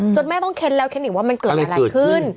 แม่ต้องเค้นแล้วเค้นอีกว่ามันเกิดอะไรขึ้น